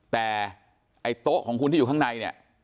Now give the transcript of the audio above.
แต่ไอ้โต๊ะของคุณที่อยู่ข้างในเนี่ย